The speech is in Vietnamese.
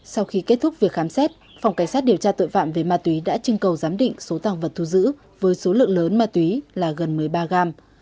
sau khi kết thúc việc khám xét phòng cảnh sát điều tra tội phạm về ma túy đã trưng cầu giám định số tàng vật thu giữ với số lượng lớn ma túy là gần một mươi ba gram